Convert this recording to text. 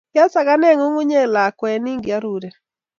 Kiasakanen ng'ung'unyek lakwet ni kiaureren